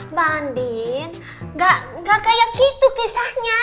mbak andin tidak seperti itu kisahnya